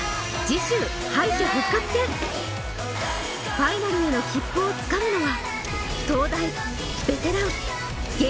ファイナルへの切符をつかむのは？